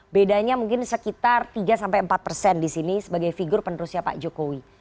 bedanya mungkin sekitar tiga sampai empat persen di sini sebagai figur penerusnya pak jokowi